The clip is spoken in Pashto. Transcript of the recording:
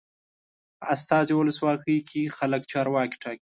په استازي ولسواکۍ کې خلک چارواکي ټاکي.